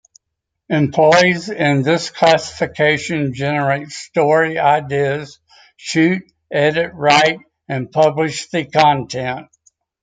Employees in this classification generate story ideas, shoot, edit, write and publish the content.